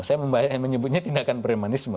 saya menyebutnya tindakan premanisme